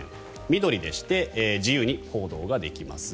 緑でして自由に行動ができます。